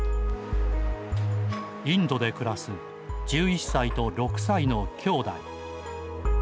インドで暮らす１１歳と６歳のきょうだい。